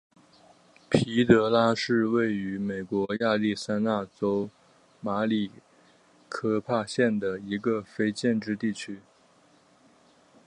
皮德拉是位于美国亚利桑那州马里科帕县的一个非建制地区。